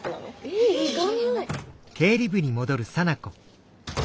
えっ意外！